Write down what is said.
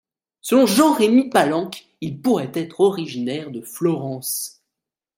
Selon Jean-Remy Palanque, il pourrait être originaire de Florence.